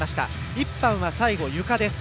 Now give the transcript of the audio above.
１班は最後ゆかです。